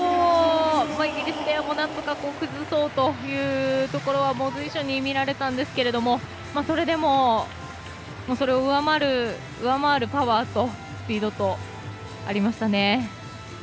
イギリスペアもなんとか崩そうというところは随所に見られたんですけどそれでも、それを上回るパワーとスピードとありましたね。